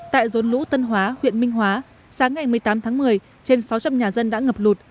tại rốn lũ tân hóa huyện minh hóa sáng ngày một mươi tám tháng một mươi trên sáu trăm linh nhà dân đã ngập lụt